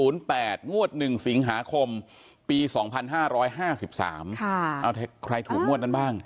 ๒๑๐๐๐๘งวด๑สิงหาคมปี๒๕๕๓ใครถูกงวดนั้นบ้าง